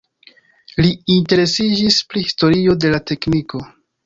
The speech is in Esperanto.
Li interesiĝis pri historio de la tekniko.